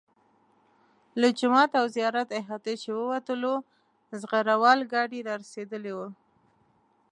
له جومات او زیارت احاطې چې ووتلو زغره وال ګاډي را رسېدلي وو.